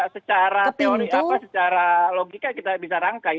secara teori apa secara logika kita bisa rangkai